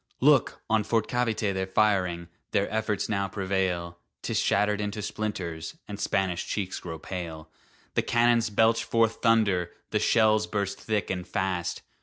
Look! on Fort Cavite they're firing! Their efforts now prevail; 'Tis shattered into splinters, And Spanish cheeks grow pale The cannons belch forth thunder! The shells burst thick and fast!